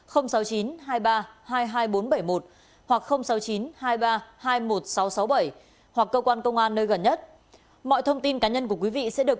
bảy một hoặc sáu chín hai ba hai một sáu sáu bảy hoặc cơ quan công an nơi gần nhất mọi thông tin cá nhân của quý vị sẽ được